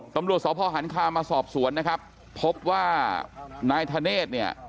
ตำรวจสพหันคามาสอบสวนนะครับพบว่านายธเนธเนี่ย